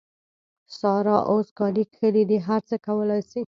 سارا اوس کالي کښلي دي؛ هر څه کولای سي.